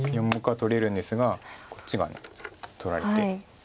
４目は取れるんですがこっちが取られて。